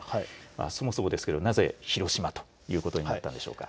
あすもそうですけど、なぜ、広島ということになったんでしょうか。